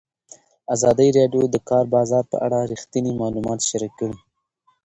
ازادي راډیو د د کار بازار په اړه رښتیني معلومات شریک کړي.